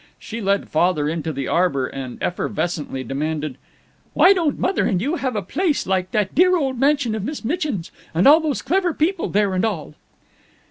She led Father into the arbor and effervescently demanded, "Why don't Mother and you have a place like that dear old mansion of Miss Mitchin's, and all those clever people there and all?"